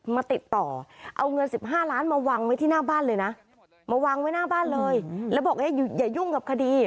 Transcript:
มาติดต่อเอาเงิน๑๕ล้านมาวางไว้ที่หน้าบ้านเลยนะ